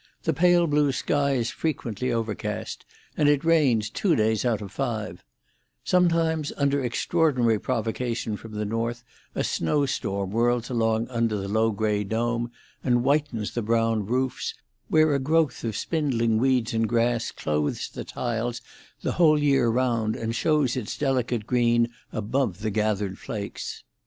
The pale blue sky is frequently overcast, and it rains two days out of five; sometimes, under extraordinary provocation from the north a snow storm whirls along under the low grey dome, and whitens the brown roofs, where a growth of spindling weeds and grass clothes the tiles the whole year round, and shows its delicate green above the gathered flakes.